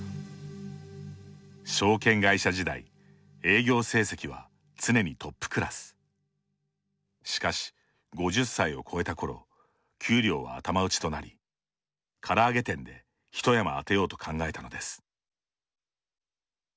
証券会社時代しかし５０歳を超えた頃給料は頭打ちとなりから揚げ店でひと山当てようと考えたのです。